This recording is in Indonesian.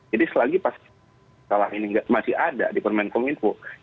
jadi selagi pas salah ini masih ada di permain komunikasi info